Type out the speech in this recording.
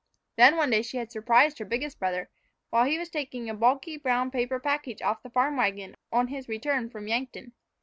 Then one day she had surprised her biggest brother while he was taking a bulky brown paper package off the farm wagon on his return from Yankton.